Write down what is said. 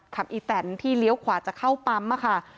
อีแตนที่เลี้ยวขวาจะเข้าปั๊มค่ะ